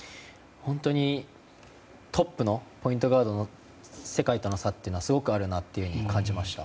本当にトップのポイントガードの世界との差というのはすごくあるなと感じました。